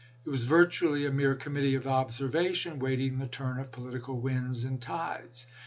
It was virtually a mere committee of observation, waiting the turn of political winds and tides.